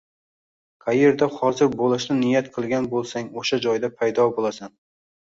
qaerda hozir bo‘lishni niyat qilgan bo‘lsang, o‘sha joyda paydo bo‘lasan.